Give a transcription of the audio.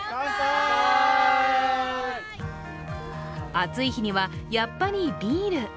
暑い日にはやっぱりビール。